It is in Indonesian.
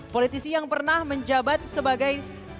politisi yang pernah menjabat sebagai